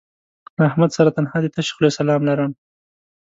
له احمد سره تنها د تشې خولې سلام لرم